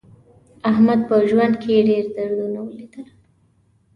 احمد په ژوند کې ډېر دردونه ولیدل.